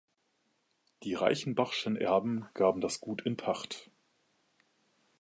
Die Reichenbach´schen Erben gaben das Gut in Pacht.